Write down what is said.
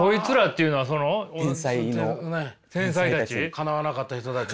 かなわなかった人たち。